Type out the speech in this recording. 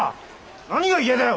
何が嫌だよ！